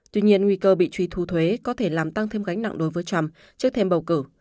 tuy nhiên nguy cơ bị truy thu thuế có thể làm tăng thêm gánh nặng đối với trump trước thêm bầu cử